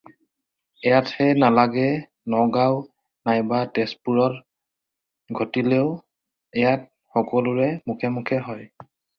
ইয়াতহে নালাগে নগাওঁ নাইবা তেজপুৰত ঘটিলেও ইয়াত সকলোৰে মুখে মুখে হয়।